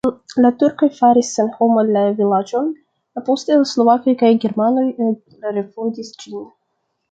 La turkoj faris senhoma la vilaĝon, poste slovakoj kaj germanoj refondis ĝin.